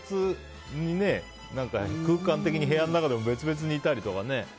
空間的に部屋の中でも別々にいたりとかね。